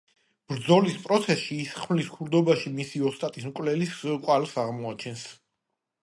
ბრძოლის პროცესში ის ხმლის ქურდობაში მისი ოსტატის მკვლელის კვალს აღმოაჩენს.